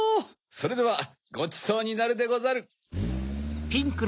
それではごちそうになるでござる。